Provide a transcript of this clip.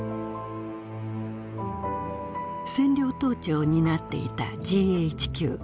占領統治を担っていたＧＨＱ。